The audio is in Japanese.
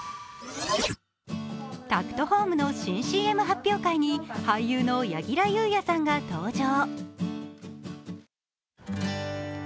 タクトホームの新ＣＭ発表会に俳優の柳楽優弥さんが登場。